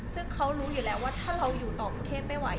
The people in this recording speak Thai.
ซึ่งเขารู้อยู่แล้วว่าถ้าเราอยู่ต่อกรุงเทพไม่ไหว